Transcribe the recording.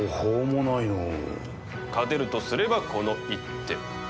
勝てるとすればこの一手。